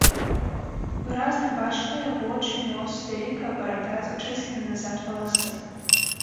Выразна бачныя вочы, нос, вялікая барада, зачэсаны назад валасы.